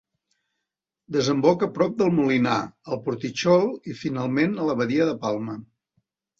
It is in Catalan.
Desemboca prop del Molinar, al Portitxol i finalment a la badia de Palma.